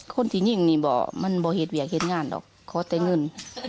คนที่ยิงเนี่ยมันไม่เหตุเวียงเหตุงานหรอกเขาแต่เงิน